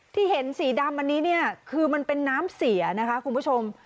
ที่เห็นสีดำอันนี้เนี่ยคือมันเป็นน้ำเสียนะคะคุณผู้ชม